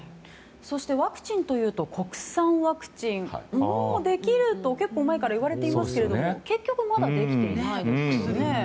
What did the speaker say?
そして、ワクチンというと国産ワクチン、もうできると結構前からいわれていますけれども結局、まだできていませんね。